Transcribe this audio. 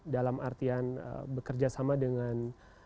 dalam artian bekerja sama dengan